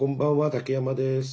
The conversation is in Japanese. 竹山です。